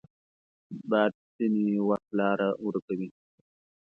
باد ځینې وخت لاره ورکوي